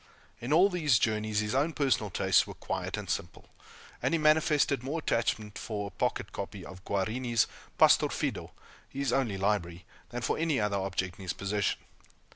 In all these journeys, his own personal tastes were quiet and simple, and he manifested more attachment for a pocket copy of Guarini's "Pastor Fido" his only library than for any other object in his possession.